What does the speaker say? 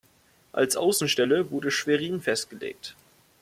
Als Außenstelle wurde Schwerin festgelegt.